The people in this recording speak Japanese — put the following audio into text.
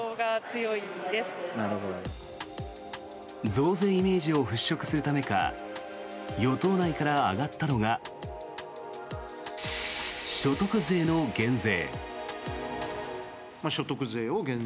増税イメージを払しょくするためか与党内から上がったのが所得税の減税。